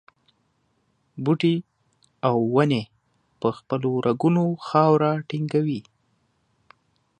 بوټي او ونې په خپلو رګونو خاوره ټینګوي.